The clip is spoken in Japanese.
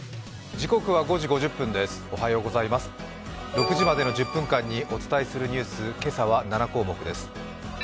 ６時までの１０分間にお伝えするニュース、今朝は７項目です。